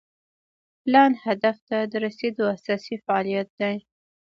پلان هدف ته د رسیدو اساسي فعالیت دی.